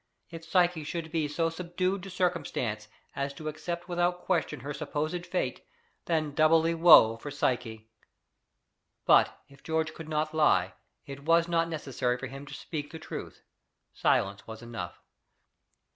If Psyche should be so subdued to circumstance as to accept without question her supposed fate, then doubly woe for Psyche! But if George could not lie, it was not necessary for him to speak the truth: silence was enough.